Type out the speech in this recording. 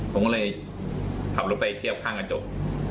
ผมก็เลยขับรถไปเทียบข้างกระจก